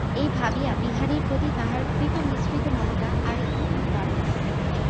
এই ভাবিয়া বিহারীর প্রতি তাঁহার কৃপামিশ্রিত মমতা আর-একটুখানি বাড়িল।